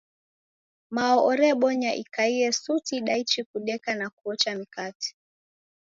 Mao orebonya ikaie suti daichi kudeka, na kuocha mikate.